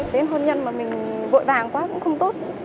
đến hôn nhân mà mình vội vàng quá cũng không tốt